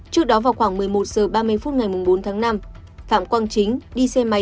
trước đó vào khoảng một mươi một h ba mươi phút ngày bốn tháng năm phạm quang chính đi xe máy